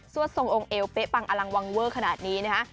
ทรงองค์เอวเป๊ะปังอลังวังเวอร์ขนาดนี้นะคะ